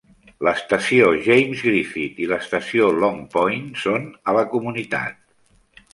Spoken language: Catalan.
L'estació James Griffith i l'estació Long Point són a la comunitat.